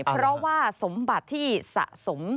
เพราะว่าสมบัติที่สะสม